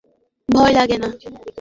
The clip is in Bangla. ভয় লাগে না।